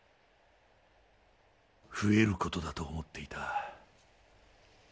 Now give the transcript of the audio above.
増える事だと思っていた。